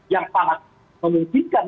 yang sangat memungkinkan